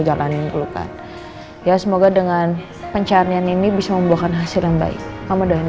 jalanin dulu kan ya semoga dengan pencarian ini bisa membuahkan hasil yang baik kemudian